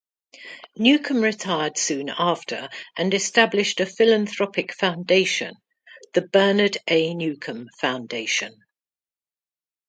Newcomb retired soon after and established a philanthropic foundation, the Bernard A. Newcomb Foundation.